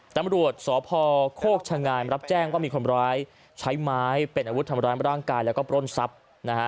ตำรวจสพโคกชะงามรับแจ้งว่ามีคนร้ายใช้ไม้เป็นอาวุธทำร้ายร่างกายแล้วก็ปล้นทรัพย์นะฮะ